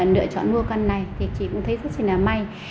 lựa chọn mua căn này thì chị cũng thấy rất là may